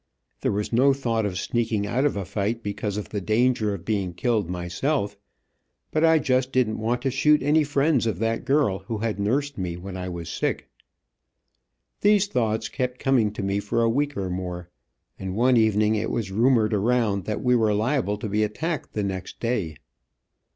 There was no thought of sneaking out of a fight because of the danger of being killed myself, but I just didn't want to shoot any friends of that girl who had nursed me when I was sick. These thoughts kept coming to me for a week or more, and one evening it was rumored around that we were liable to be attacked the next day.